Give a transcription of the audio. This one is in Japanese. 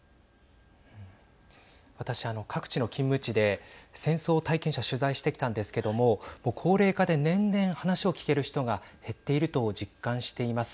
私あの、各地の勤務地で戦争体験者取材してきたんですけども高齢化で年々話を聞ける人が減っていると実感しています。